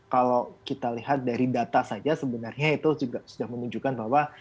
kalau kita lihat dari data saja sebenarnya itu juga sudah menunjukkan bahwa